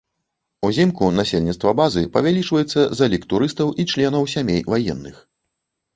Узімку насельніцтва базы павялічваецца за лік турыстаў і членаў сямей ваенных.